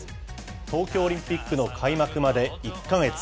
東京オリンピックの開幕まで１か月。